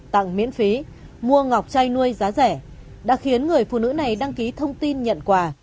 tặng miễn phí mua ngọc trai nuôi giá rẻ đã khiến người phụ nữ này đăng ký thông tin nhận quà